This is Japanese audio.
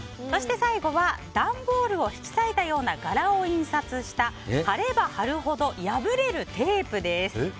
そして、最後は段ボールを引き裂いたような柄を印刷した貼れば貼るほど破れるテープです。